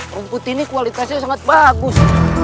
rumput ini kualitasnya sangat bagus